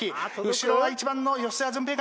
後ろは１番の吉澤純平が。